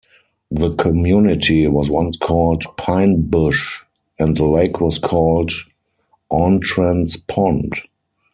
The community was once called "Pine Bush" and the lake was called "Auntrens Pond.